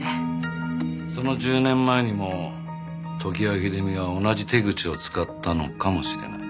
その１０年前にも常盤秀美は同じ手口を使ったのかもしれない。